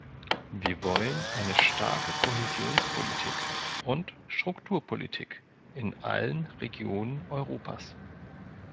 Wir wollen eine starke Kohäsionspolitik und Strukturpolitik in allen Regionen Europas.